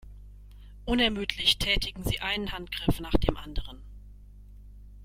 Unermüdlich tätigen sie einen Handgriff nach dem anderen.